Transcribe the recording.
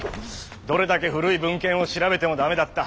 どれだけ古い文献を調べてもダメだった。